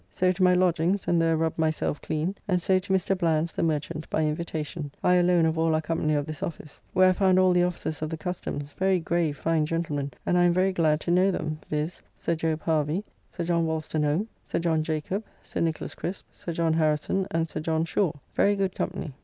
So to my lodgings and there rubbed myself clean, and so to Mr. Bland's, the merchant, by invitation, I alone of all our company of this office; where I found all the officers of the Customs, very grave fine gentlemen, and I am very glad to know them; viz. Sir Job Harvy, Sir John Wolstenholme, Sir John Jacob, Sir Nicholas Crisp, Sir John Harrison, and Sir John Shaw: very good company.